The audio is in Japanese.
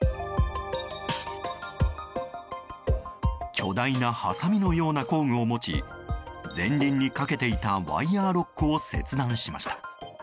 巨大なはさみのような工具を持ち前輪にかけていたワイヤロックを切断しました。